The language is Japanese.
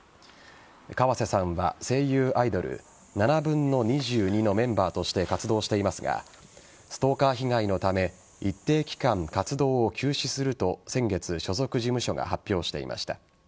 河瀬さんは声優アイドル２２／７のメンバーとして活動していますがストーカー被害のため一定期間、活動を休止すると先月所属事務所が発表していました。